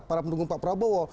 para pendukung pak prabowo